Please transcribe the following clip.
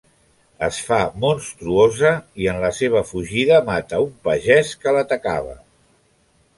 Es fa monstruosa i, en la seva fugida, mata un pagès que l'atacava.